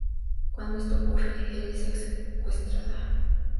Cuando esto ocurre, Ellie es secuestrada.